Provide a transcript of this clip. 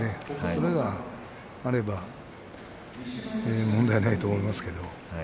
それがあれば問題ないと思います。